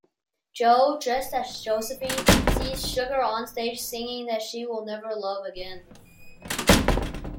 Joe, dressed as Josephine, sees Sugar onstage singing that she will never love again.